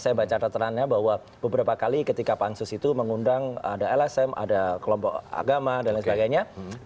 saya baca datarannya bahwa beberapa kali ketika pansus itu mengundang ada lsm ada kelompok agama dan lain sebagainya